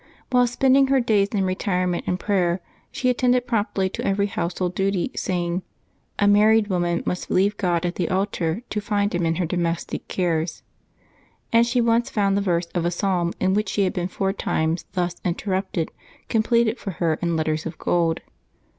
While spending her days in retirement and prayer, she attended promptly to every household duty, saying, " A married woman must leave God at the altar to find Him in her domestic cares ;" and she once found the verse of a psalm in which she had been four times thus interrupted com pleted for her in letters of gold.